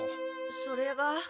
それが。